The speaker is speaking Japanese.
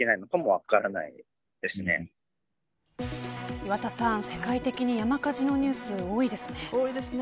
岩田さん、世界的に山火事のニュース多いですね。